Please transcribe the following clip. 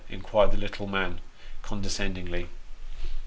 inquired the little man, condescendingly.